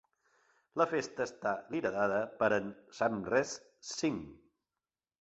La festa està liderada per en Samresh Singh.